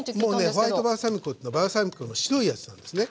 ホワイトバルサミコっていうのはバルサミコの白いやつなんですね。